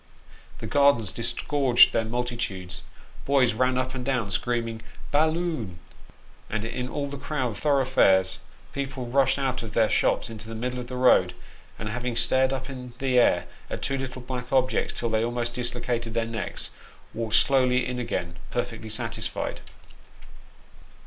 The gardens disgorged their multitudes, boys ran up and down screaming " bal loon ;" and in all the crowded thoroughfares people rushed out of their shops into the middle of the road, and having stared up in the air at two little black objects till they almost dislocated their necks, walked slowly in again, perfectly satisfied.